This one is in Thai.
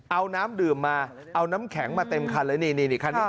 เอาน้ำดื่มมาเอาน้ำแข็งมาเต็มคันเลยนี่คันนี้